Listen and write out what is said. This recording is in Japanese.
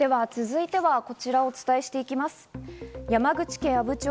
続いてはこちらをお伝えします。